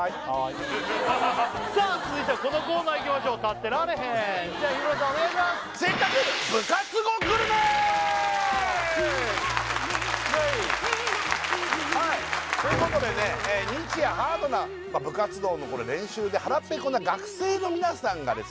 続いてはこのコーナーいきましょう立ってられへんでは日村さんお願いしますということでね日夜ハードな部活動の練習で腹ペコな学生の皆さんがですね